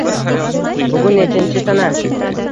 Bugun nechanchi sana?